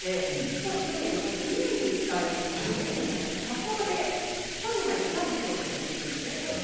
というのも２年に１回大泉さんたち、札幌でファンの前で歌も披露されているんですね。